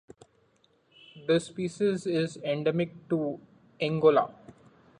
The species is endemic to Angola.